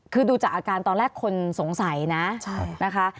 คือดูจากอาการตอนแรกคนสงสัยนะนะคะ